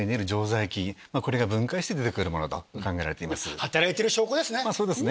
働いてる証拠ですね。